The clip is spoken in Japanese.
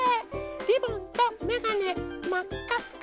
リボンとめがねまっかっか。